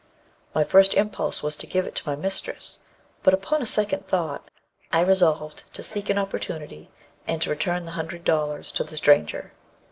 My first impulse was to give it to my mistress, but, upon a second thought, I resolved to seek an opportunity, and to return the hundred dollars to the stranger.